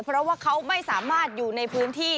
เพราะว่าเขาไม่สามารถอยู่ในพื้นที่